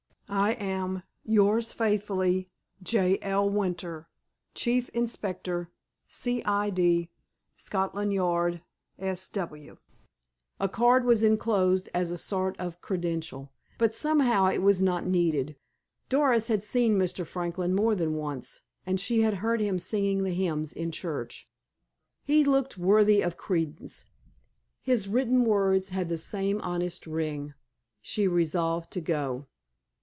_ I am, Yours faithfully, J. L. Winter, Chief Inspector, C. I. D., Scotland Yard, S. W. A card was inclosed, as a sort of credential. But, somehow, it was not needed. Doris had seen "Mr. Franklin" more than once, and she had heard him singing the hymns in church. He looked worthy of credence. His written words had the same honest ring. She resolved to go.